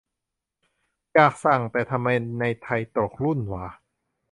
อยากสั่ง แต่ทำไมในไทยตกรุ่นหว่า